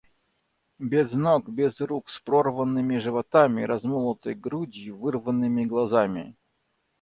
Без ног, без рук, с прорванными животами, размолотой грудью, вырванными глазами.